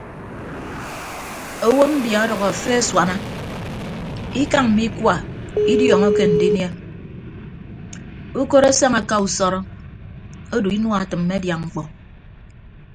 Owo mbia ọdʌk efe asuana ikañ mme ikua idiọọñọke andinie ukot asaña aka usọrọ odo inua atịmme adia ñkpọ.